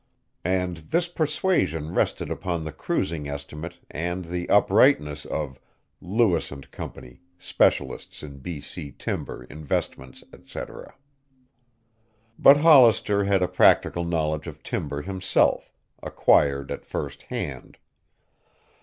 And this persuasion rested upon the cruising estimate and the uprightness of "Lewis and Company, Specialists in B.C. Timber, Investments, Etc." But Hollister had a practical knowledge of timber himself, acquired at first hand.